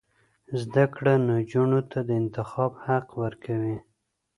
زده کړه نجونو ته د انتخاب حق ورکوي.